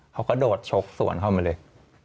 เขาก็โดดชกส่วนเข้ามาเลย